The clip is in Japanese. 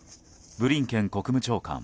ブリンケン国務長官